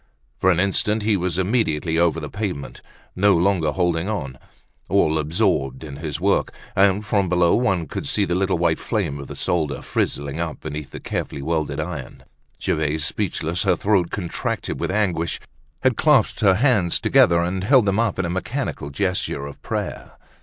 For an instant he was immediately over the pavement, no long holding on, all absorbed in his work; and, from below, one could see the little white flame of the solder frizzling up beneath the carefully wielded iron. Gervaise, speechless, her throat contracted with anguish, had clasped her hands together, and held them up in mechanical gesture of prayer.